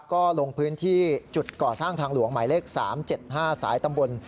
ก็ลงพื้นที่จุดก่อสร้างทางหลวงหมายเลข๓๗๕สายตำบล